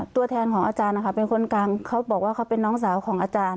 ตัวแทนของอาจารย์นะคะเป็นคนกลางเขาบอกว่าเขาเป็นน้องสาวของอาจารย์